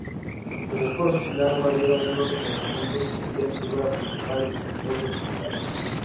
Sus esfuerzos le han valido algunos reconocimientos y ser figura principal de dos documentales.